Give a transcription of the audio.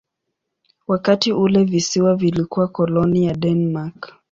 Wakati ule visiwa vilikuwa koloni ya Denmark.